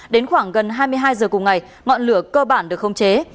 đến khoảng gần hai mươi hai h cùng ngày ngọn lửa cơ bản được không chế